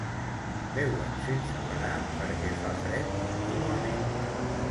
Beuen sense parar perquè fa fred contínuament.